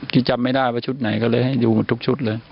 ที่จำไม่ได้ว่าชุดไหนก็เลยให้ดูทุกชุดเลย